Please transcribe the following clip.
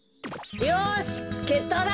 よしけっとうだ。